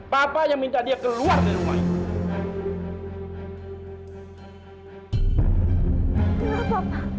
papa yang minta dia keluar dari rumah ini